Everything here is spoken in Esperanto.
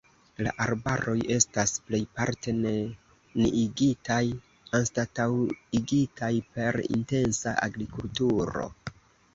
La arbaroj estas plejparte neniigitaj, anstataŭigitaj per intensa agrikulturo.